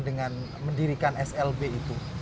dengan mendirikan slb itu